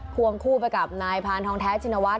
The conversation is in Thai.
วงคู่ไปกับนายพานทองแท้ชินวัฒ